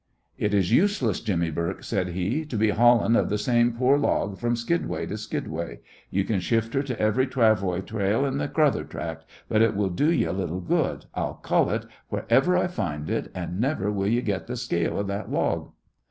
"It is useless, Jimmy Bourke," said he, "to be hauling of the same poor log from skidway to skidway. You can shift her to every travoy trail in th' Crother tract, but it will do ye little good. I'll cull it wherever I find it, and never will ye get th' scale of that log."